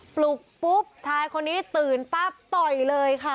ปลุกปุ๊บคนนี้ตื่นต่อยเลยค่ะ